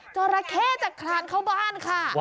จราเข้จะคลานเข้าบ้านค่ะ